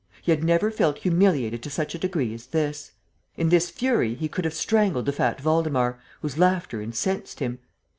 He had never felt humiliated to such a degree as this. In this fury, he could have strangled the fat Waldemar, whose laughter incensed him.